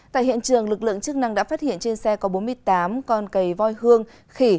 tại hiện trường lực lượng chức năng đã phát hiện trên xe có bốn mươi tám con cầy voi hương khỉ